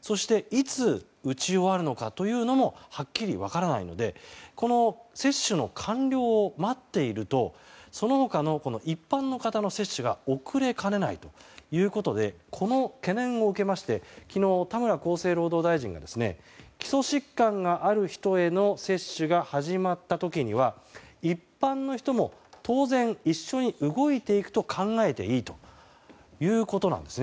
そして、いつ打ち終わるのかもはっきり分からないので接種の完了を待っているとその他の一般の方の接種が遅れかねないということでこの懸念を受けまして昨日、田村厚生労働大臣が基礎疾患がある人への接種が始まった時には一般の人も当然一緒に動いていくと考えていいということなんですね。